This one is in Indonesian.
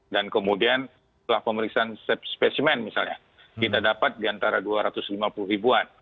dan kemudian setelah pemeriksaan spesimen misalnya kita dapat di antara dua ratus lima puluh ribuan